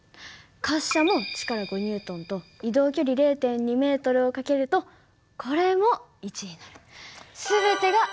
滑車も力５Ｎと移動距離０．２ｍを掛けるとこれも１になる。